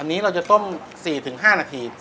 อันนี้เราจะต้ม๔๕นาที